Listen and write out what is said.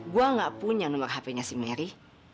gue gak punya nomor hp nya si mary